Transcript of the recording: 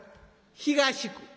「東区」。